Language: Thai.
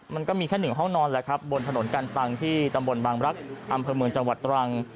มันก็มีแค่หนึ่งห้องนอนแหละครับบนถนนกันตังที่ตำบลบางรักษ์อำเภอเมืองจังหวัดตรัง